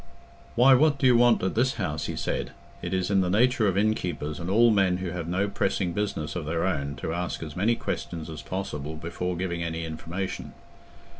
"Why, what do you want at this house?" he said. It is in the nature of innkeepers and all men who have no pressing business of their own to ask as many questions as possible before giving any information.